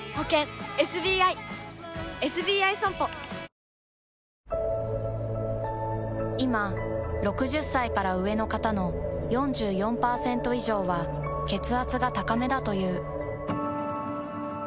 このあとのお店へいま６０歳から上の方の４４％以上は血圧が高めだという。